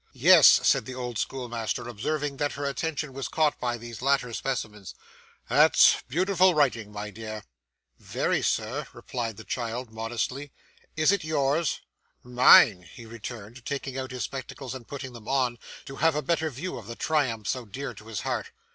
'Yes,' said the old schoolmaster, observing that her attention was caught by these latter specimens. 'That's beautiful writing, my dear.' 'Very, Sir,' replied the child modestly, 'is it yours?' 'Mine!' he returned, taking out his spectacles and putting them on, to have a better view of the triumphs so dear to his heart.